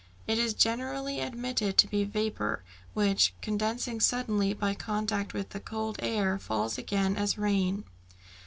It is generally admitted to be vapour, which, condensing suddenly by contact with the cold air, falls again as rain.